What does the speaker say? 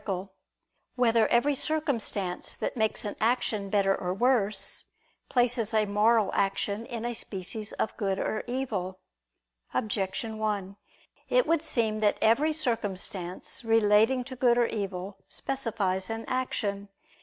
11] Whether Every Circumstance That Makes an Action Better or Worse, Places a Moral Action in a Species of Good or Evil? Objection 1: It would seem that every circumstance relating to good or evil, specifies an action.